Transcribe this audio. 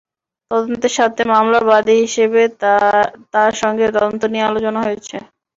তদন্তের স্বার্থে মামলার বাদী হিসেবে তাঁর সঙ্গে তদন্ত নিয়ে আলোচনা হয়েছে।